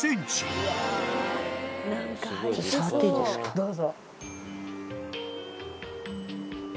どうぞ。